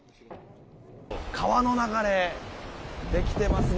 川の流れ、できてますね。